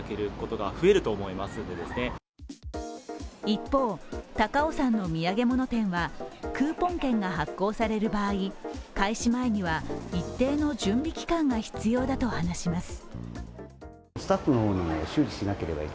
一方、高尾山の土産物店はクーポン券が発行される場合、開始前には一定の準備期間が必要だと話します。